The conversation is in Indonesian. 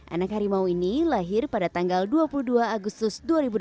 anak harimau ini lahir pada tanggal dua puluh dua agustus dua ribu delapan belas